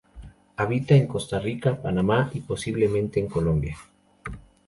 Habita en Costa Rica, Panamá y posiblemente en Colombia.